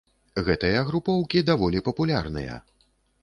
Гэтыя групоўкі даволі папулярныя.